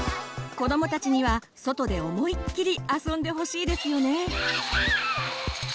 子どもたちには外で思いっきり遊んでほしいですよね。